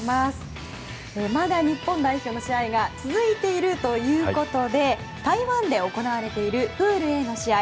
まだ日本代表の試合が続いているということで台湾で行われているプールＡの試合。